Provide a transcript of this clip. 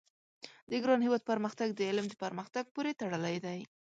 د ګران هېواد پرمختګ د علم د پرمختګ پوري تړلی دی